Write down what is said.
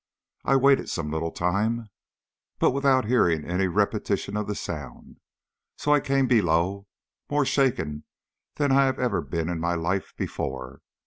I waited some little time, but without hearing any repetition of the sound, so I came below, more shaken than I have ever been in my life before.